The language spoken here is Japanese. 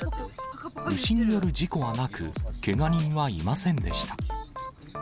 牛による事故はなく、けが人はいませんでした。